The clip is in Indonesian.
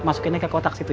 masukinnya ke kotak situ ya